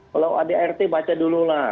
kalau adrt baca dulu lah